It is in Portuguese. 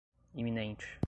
iminente